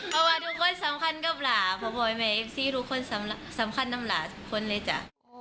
เพราะว่าทุกคนสำคัญกับหลาเพราะว่าแม่เอฟซีทุกคนสำคัญน้ำหลาทุกคนเลยจ้ะ